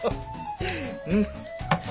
うん。